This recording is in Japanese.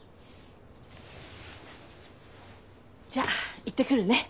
じゃあ行ってくるね。